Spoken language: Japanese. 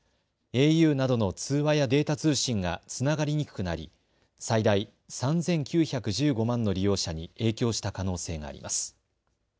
ａｕなどの通話やデータ通信がつながりにくくなり最大３９１５万の利用者に影響した可能性があります。